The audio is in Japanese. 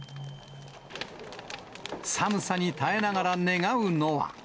寒さに耐えながら願うのは。